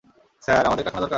Sir, আমাদের কারখানা দরকার।